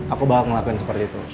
aku bakal ngelakuin seperti itu